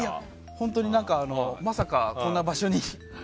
本当に何かまさか、こんな場所に。